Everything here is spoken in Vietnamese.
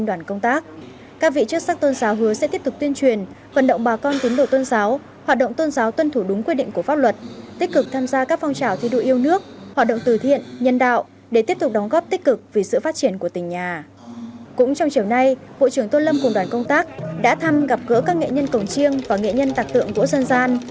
trong chiều nay bộ trưởng tô lâm cùng đoàn công tác đã thăm gặp gỡ các nghệ nhân cổng chiêng và nghệ nhân tạc tượng của dân gian